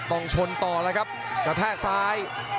ต้องชนต่อแล้วครับกระแทกซ้าย